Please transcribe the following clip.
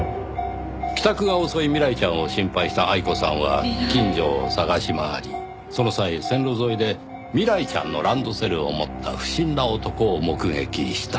帰宅が遅い未来ちゃんを心配した愛子さんは近所を捜し回りその際線路沿いで未来ちゃんのランドセルを持った不審な男を目撃した。